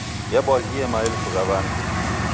Yabwaghie maelfu gha w'andu.